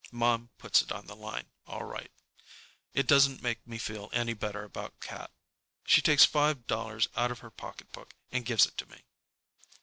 Mom puts it on the line, all right. It doesn't make me feel any better about Cat. She takes five dollars out of her pocketbook and gives it to me.